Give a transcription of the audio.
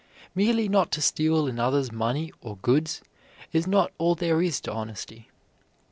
Merely not to steal another's money or goods is not all there is to honesty.